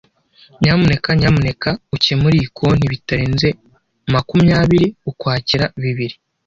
Nyamuneka nyamuneka ukemure iyi konti bitarenze makumya biri Ukwakira bibiri.